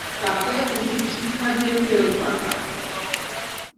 তাকে উচিৎ শিক্ষা দিয়ে ফেরত পাঠা।